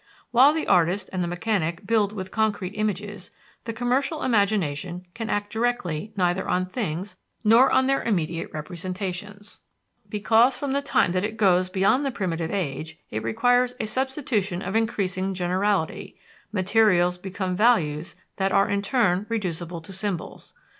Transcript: While the artist and the mechanic build with concrete images, the commercial imagination can act directly neither on things nor on their immediate representations, because from the time that it goes beyond the primitive age it requires a substitution of increasing generality; materials become values that are in turn reducible to symbols.